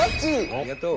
ありがとう。